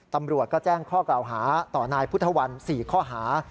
ตำรวจก็แจ้งข้อกล่าวหาต่อนายพุทธวัน๔ข้อหา